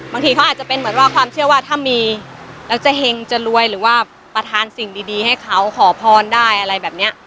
บางทีเขาอาจจะเป็นเหมือนว่าความเชื่อว่าถ้ามีแล้วจะเห็งจะรวยหรือว่าประธานสิ่งดีให้เขาขอพรได้อะไรแบบนี้